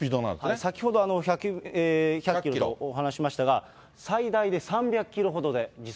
先ほど１００キロ、お話ししましたが、最大で３００キロほどで、時速。